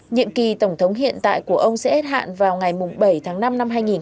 nhiệm kỳ tổng thống hiện tại của ông sẽ hết hạn vào ngày bảy tháng năm năm hai nghìn hai mươi